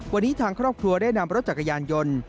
วันนี้ทางครอบครัวได้นำรถจักรยานยนต์